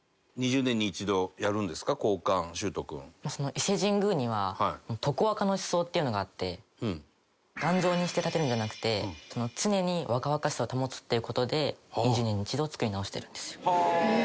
伊勢神宮には常若の思想っていうのがあって頑丈にして建てるんじゃなくて常に若々しさを保つっていう事で２０年に一度造り直してるんですよ。